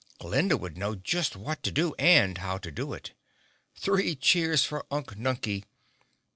Glinda would know just what to do and how to do it. Three cheers for Unk Nunkie!